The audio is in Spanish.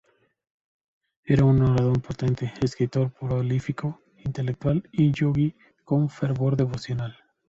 Era un orador potente, escritor prolífico, intelectual y yogui con fervor devocional.